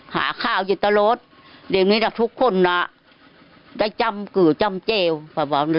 หาข้าวอยู่ตะโลดเดี๋ยวนี้แหละทุกคนนะได้จำกือจำเจ้า